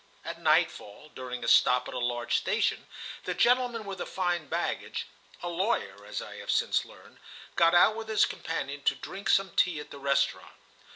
At nightfall, during a stop at a large station, the gentleman with the fine baggage—a lawyer, as I have since learned—got out with his companion to drink some tea at the restaurant.